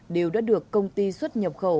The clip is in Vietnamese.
đều đã được công ty xuất nhập khẩu